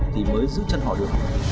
thì mới giữ chân họ được